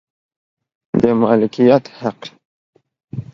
د مالکیت حق